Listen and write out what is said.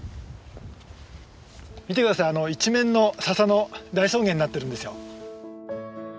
見て下さい一面の笹の大草原になってるんですよ。